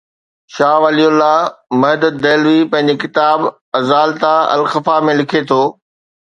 شاهه ولي الله محدث دهلوي پنهنجي ڪتاب ”اِزالتا الخفا“ ۾ لکي ٿو.